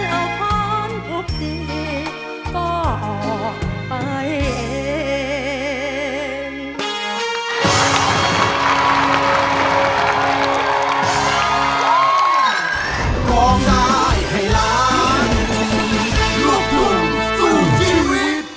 แล้วพันธุ์ทุกทีก็ออกไปเอง